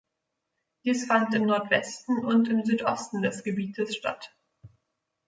Dies fand im Nordwesten und im Südosten des Gebietes statt.